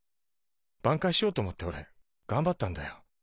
挽回しようと思って俺頑張ったんだよ。